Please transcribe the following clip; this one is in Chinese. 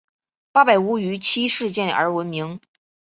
八百屋于七事件而闻名。